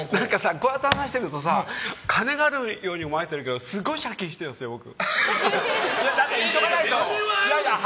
こうやって話してると金があるように思われるけどすごい借金してるんですよ、僕。